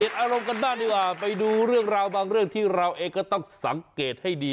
เอาแรงง่ายไปดูเรื่องราวบางเรื่องที่เราเองก็ต้องสังเกตให้ดี